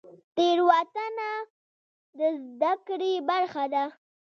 تیروتنه د زده کړې برخه ده؟